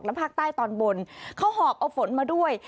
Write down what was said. ภาคใต้ตอนบนเขาหอบเอาฝนมาด้วย